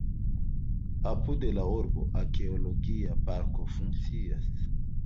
Apud la urbo arkeologia parko funkcias.